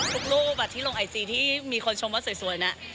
รูปที่ลงไอจีที่มีคนชมว่าสวยนะ